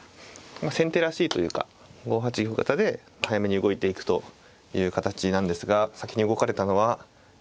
先手らしいというか５八玉型で早めに動いていくという形なんですが先に動かれたのは。